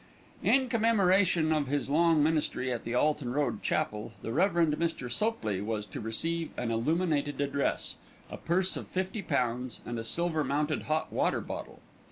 In commemoration of his long ministry at the Alton Road Chapel, the Rev. Mr. Sopley was to receive an illuminated address, a purse of fifty pounds and a silver mounted hot water bottle.